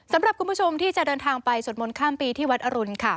สำหรับคุณผู้ชมที่จะเดินทางไปสวดมนต์ข้ามปีที่วัดอรุณค่ะ